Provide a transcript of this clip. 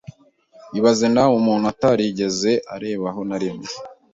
ibaze nawe umuntu utarigeze arebaho na rimwe